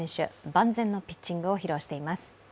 万全のピッチングを披露しています。